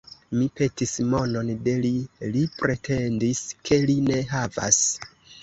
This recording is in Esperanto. Mi petis monon de li; li pretendis, ke li ne havas.